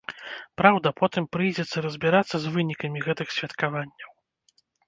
Праўда, потым прыйдзецца разбірацца з вынікамі гэтых святкаванняў.